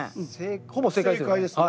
ほぼ正解ですよね？